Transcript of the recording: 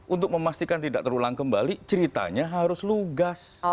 untuk memastikan tidak terulang kembali ceritanya harus lugas